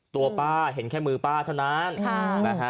ตัวป้าเห็นแค่มือป้าเท่านั้นนะฮะ